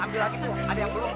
ambil lagi tuh ada yang belum